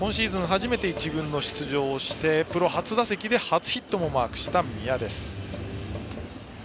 初めて１軍で出場してプロ初打席で初ヒットもマークした味谷です。